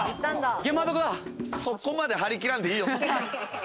そこまで張り切らんでいいよ。